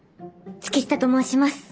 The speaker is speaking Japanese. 月下と申します。